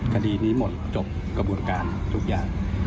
คดีนี้หมดจบกระบวนการทุกอย่าง